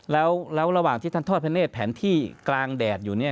แล้วระหว่างที่ท่านทอดพระเนธแผนที่กลางแดดอยู่เนี่ย